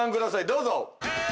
どうぞ。